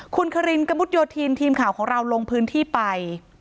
คุณคารินกระมุดโยธินทีมข่าวของเราลงพื้นที่ไป